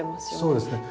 そうですね。